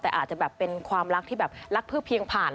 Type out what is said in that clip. แต่อาจจะแบบเป็นความรักที่แบบรักเพื่อเพียงผ่าน